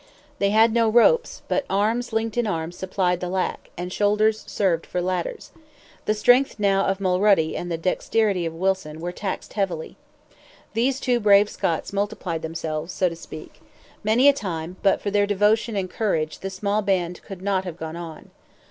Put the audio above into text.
They had no ropes, but arms linked in arms supplied the lack, and shoulders served for ladders. The strength of Mulrady and the dexterity of Wilson were taxed heavily now. These two brave Scots multiplied themselves, so to speak. Many a time, but for their devotion and courage the small band could not have gone on.